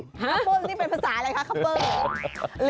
ห๊ะขับปลงนี่เป็นภาษาอะไรคะขับปลง